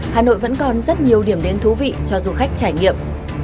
hà nội vẫn còn rất nhiều điểm đến thú vị cho du khách trải nghiệm